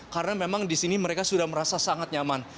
karena memang di sini mereka sudah merasa sangat nyaman